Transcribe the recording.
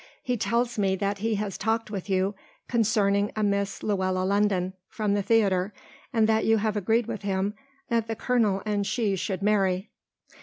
He tells me that he has talked with you concerning a Miss Luella London from the theatre, and that you have agreed with him that the colonel and she should marry."